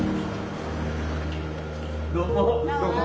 どうも。